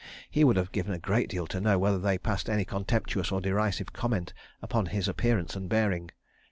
He would have given a great deal to know whether they passed any contemptuous or derisive comment upon his appearance and bearing.